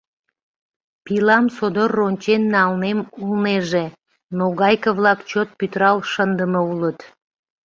Пилам содор рончен налнем улнеже, но гайке-влак чот пӱтырал шындыме улыт.